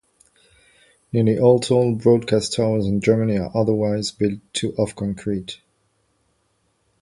Nearly all tall broadcast towers in Germany are otherwise built of concrete.